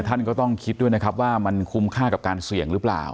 ท่านก็ต้องคิดด้วยนะครับว่ามันคุ้มค่ากับการเสี่ยงหรือเปล่า